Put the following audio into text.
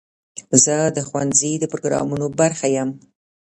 زه د ښوونځي د پروګرامونو برخه یم.